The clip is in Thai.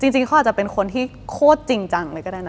จริงเขาอาจจะเป็นคนที่โคตรจริงจังเลยก็ได้นะ